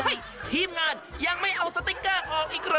ทีมงานยังไม่เอาสติ๊กเกอร์ออกอีกเหรอ